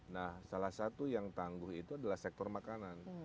nah salah satu yang tangguh itu adalah sektor makanan